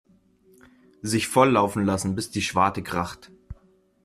Sich volllaufen lassen bis die Schwarte kracht.